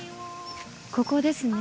ここですね。